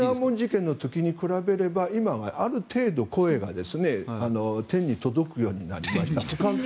天安門事件の時に比べれば今はある程度声が天に届くようになりました。